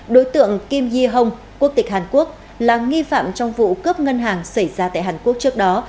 đối tượng kim di hong quốc tịch hàn quốc là nghi phạm trong vụ cướp ngân hàng xảy ra tại hàn quốc trước đó